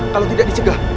kalau tidak dicegah